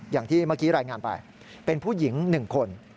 อย่างที่เมื่อกี้รายงานไปเป็นผู้หญิง๑คน